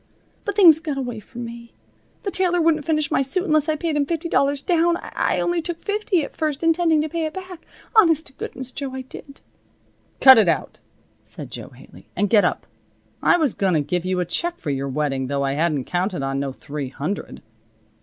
But things got away from me. The tailor wouldn't finish my suit unless I paid him fifty dollars down. I only took fifty at first, intending to pay it back. Honest to goodness, Jo, I did." "Cut it out," said Jo Haley, "and get up. I was going to give you a check for your wedding, though I hadn't counted on no three hundred.